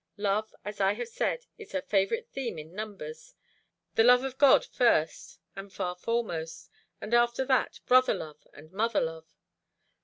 Love, as I have said, is her favorite theme in numbers, the love of God first and far foremost, and after that brother love and mother love.